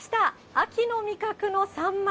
秋の味覚のサンマ。